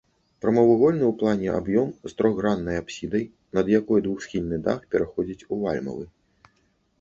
Прамавугольны ў плане аб'ём з трохграннай апсідай, над якой двухсхільны дах пераходзіць у вальмавы.